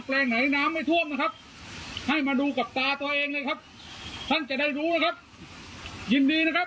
แปลงไหนน้ำไม่ท่วมนะครับให้มาดูกับตาตัวเองเลยครับ